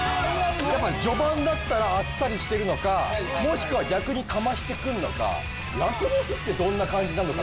やっぱ序盤だったらあっさりしてるのかもしくは逆にかましてくるのかラスボスってどんな感じなのかとか。